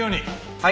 はい。